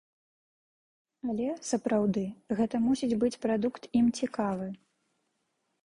Але, сапраўды, гэта мусіць быць прадукт ім цікавы.